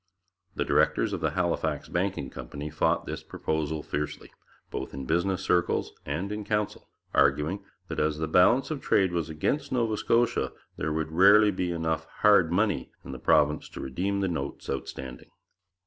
The directors of the Halifax Banking Company fought this proposal fiercely, both in business circles and in the Council, arguing that as the balance of trade was against Nova Scotia, there would rarely be enough 'hard money' in the province to redeem the notes outstanding.